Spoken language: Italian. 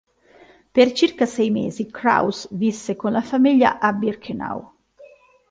Per circa sei mesi Kraus visse con la famiglia a Birkenau.